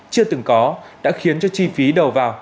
chưa từng có đã khiến cho chi phí đầu vào